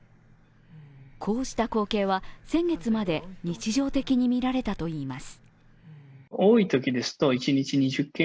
こうした光景は、先月まで日常的に見られたといいます。